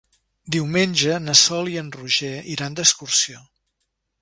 Diumenge na Sol i en Roger iran d'excursió.